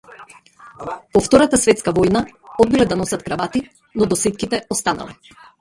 По втората светска војна одбиле да носат кравати, но досетките останале.